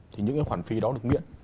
thì những cái khoản phí đó được miễn